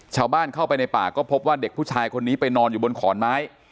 ชาวบ้านเข้าไปในป่าก็พบว่าเด็กผู้ชายคนนี้ไปนอนอยู่บนขอนไม้